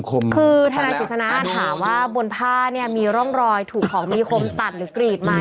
คือทนายกฤษณะถามว่าบนผ้าเนี่ยมีร่องรอยถูกของมีคมตัดหรือกรีดไหม